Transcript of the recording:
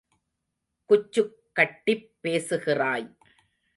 குச்சுக் கட்டிப் பேசுகிறாய்.